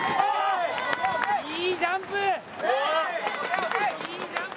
いいジャンプ。